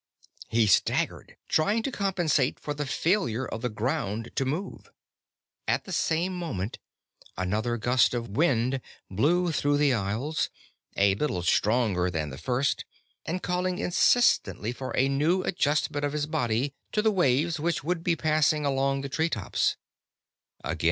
He staggered, trying to compensate for the failure of the ground to move. At the same moment another gust of wind blew through the aisles, a little stronger than the first, and calling insistently for a new adjustment of his body to the waves which would be passing among the treetops.